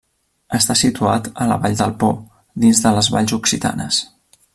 Està situat a la Vall del Po, dins de les Valls Occitanes.